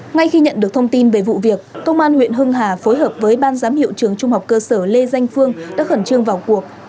ngay khi nhận được thông tin về vụ việc công an huyện hưng hà phối hợp với ban giám hiệu trường trung học cơ sở lê danh phương đã khẩn trương vào cuộc